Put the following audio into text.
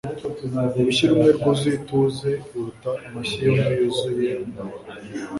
urushyi rumwe rwuzuye ituze ruruta amashyi yombi yuzuye umuruho